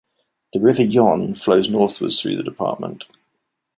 The River Yonne flows northwards through the department.